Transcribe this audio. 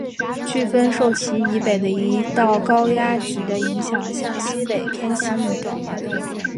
飓风受其以北的一道高压脊的影响下向西北偏西移动。